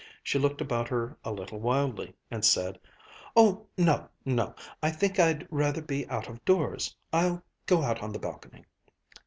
She looked about her a little wildly and said: "Oh no, no! I think I'd rather be out of doors. I'll go out on the balcony."